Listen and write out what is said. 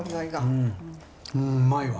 うんうまいわ。